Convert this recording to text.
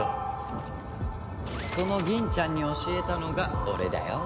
そのギンちゃんに教えたのが俺だよ。